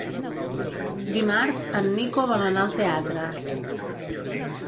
Dimarts en Nico vol anar al teatre.